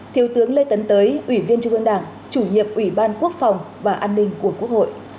thiếu tướng lê tấn tới ủy viên trung ương đảng chủ nhiệm ủy ban quốc phòng và an ninh của quốc hội